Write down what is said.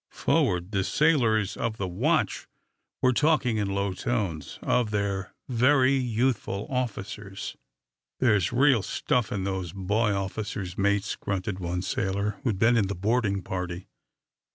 Forward, the sailors of the watch were talking in low tones of their very youthful officers. "There's the real stuff in those boy officers, mates," grunted one sailor who had been in the boarding party.